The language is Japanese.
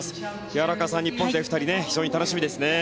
荒川さん、日本勢２人非常に楽しみですね。